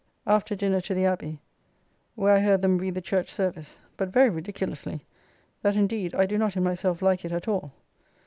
After dinner to the Abbey, where I heard them read the church service, but very ridiculously, that indeed I do not in myself like it at all.